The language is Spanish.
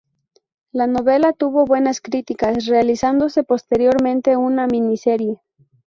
La novela tuvo buenas críticas, realizándose posteriormente una miniserie.